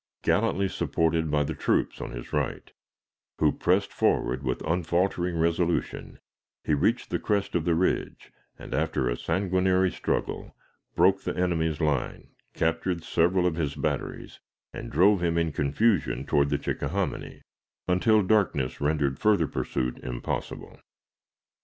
Gallantly supported by the troops on his right, who pressed forward with unfaltering resolution, he reached the crest of the ridge, and, after a sanguinary struggle, broke the enemy's line, captured several of his batteries, and drove him in confusion toward the Chickahominy, until darkness rendered further pursuit impossible.